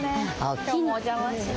今日もお邪魔します。